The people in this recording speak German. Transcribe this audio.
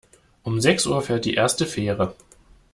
Um sechs Uhr fährt die erste Fähre.